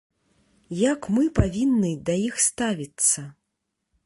Як мы павінны да іх ставіцца?